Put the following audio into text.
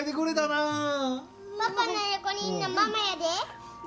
パパの横にいるのママやで。